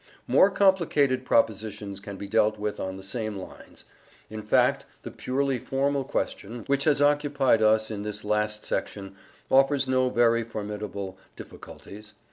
More complicated propositions can be dealt with on the same lines. In fact, the purely formal question, which has occupied us in this last section, offers no very formidable difficulties.